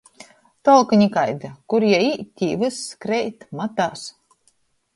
Tolka nikaida. Kur jei īt, tī vyss kreit, matās.